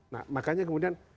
nah makanya kemudian